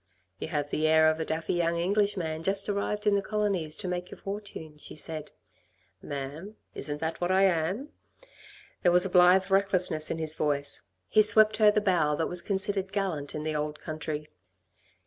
"You have the air of a daffy young Englishman just arrived in the Colonies to make your fortune," she said. "Ma'am, isn't that what I am?" There was a blithe recklessness in his voice. He swept her the bow that was considered gallant in the old country.